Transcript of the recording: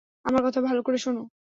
আমার কথা ভালো করে শোন।